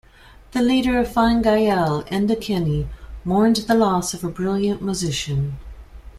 The leader of Fine Gael, Enda Kenny, mourned the loss of a "brilliant musician".